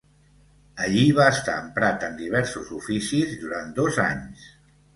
Allí va estar emprat en diversos oficis durant dos anys.